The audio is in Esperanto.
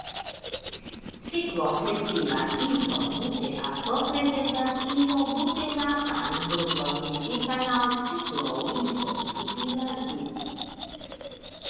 Cikloheptila izobuterato prezentas izobutanatan grupon ligitan al cikloizobutila grupo.